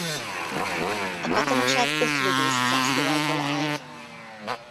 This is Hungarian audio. A katonaság öt lövész-zászlóaljból áll.